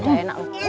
gak enak loh